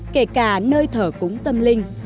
kể cả nơi thở cúng tâm linh